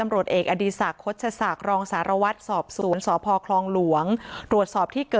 เมื่อนบ้างก็ยืนยันว่ามันเป็นแบบนั้นจริง